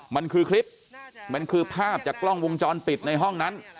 มันคือคลิปมันคือภาพจากกล้องวงจรปิดในห้องนั้น